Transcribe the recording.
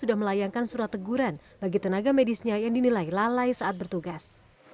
sudah melayangkan surat teguran bagi tenaga medisnya yang dinilai lalai saat bertugas